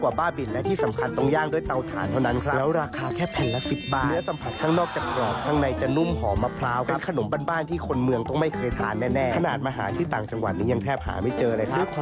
วันนี้จะพาไปทำความรู้จักขนมโบราณทางภาคใต้ที่หาทานได้ยากอีกหนึ่งอย่างค่ะ